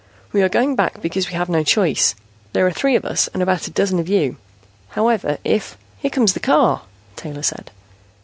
"We are going back because we have no choice. There are three of us and about a dozen of you. However, if " "Here comes the car," Taylor said.